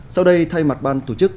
sau đây thay mặt ban tổ chức